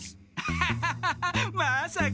ハハハハまさか！